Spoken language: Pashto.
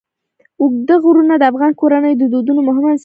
اوږده غرونه د افغان کورنیو د دودونو مهم عنصر دی.